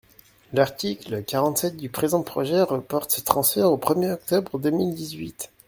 L’article quarante-sept du présent projet reporte ce transfert au premier octobre deux mille dix-huit.